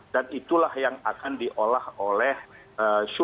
dan itulah yang akan diolah oleh masyumi